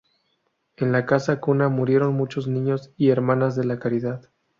En la Casa Cuna murieron muchos niños y hermanas de la Caridad.